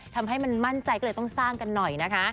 ทำให้มันมั่นใจก็เลยต้องสร้างกันหน่อยนะคะ